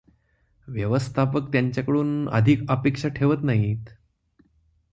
व्यवस्थापक त्यांच्याकडून अधिक अपेक्षा ठेवत नाहीत.